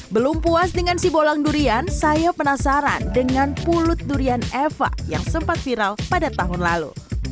belum puas dengan si bolang durian saya penasaran dengan pulut durian eva yang sempat viral pada tahun lalu